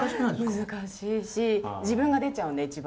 難しいし自分が出ちゃうんで一番。